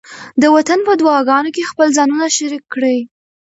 د وطن په دعاګانو کې خپل ځانونه شریک کړئ.